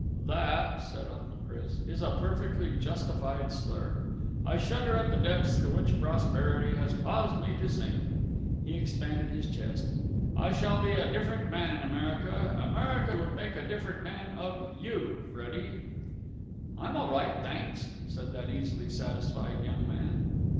"That," said Uncle Chris, "is a perfectly justified slur. I shudder at the depths to which prosperity has caused me to sink." He expanded his chest. "I shall be a different man in America. America would make a different man of you, Freddie." "I'm all right, thanks!" said that easily satisfied young man.